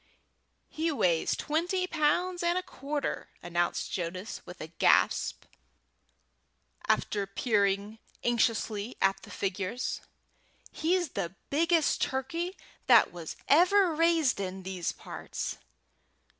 "He weighs twenty pounds and a quarter," announced Jonas, with a gasp, after peering anxiously at the figures. "He's the biggest turkey that was ever raised in these parts."